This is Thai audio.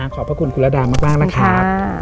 ขอบพระคุณคุณระดามากนะครับ